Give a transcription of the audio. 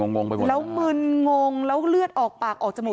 งงมึนงงแล้วเลือดออกปากออกจมูก